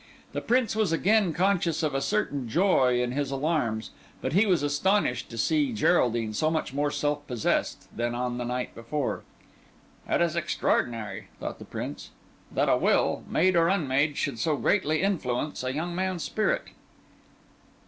The Prince was again conscious of a certain joy in his alarms; but he was astonished to see Geraldine so much more self possessed than on the night before. "It is extraordinary," thought the Prince, "that a will, made or unmade, should so greatly influence a young man's spirit."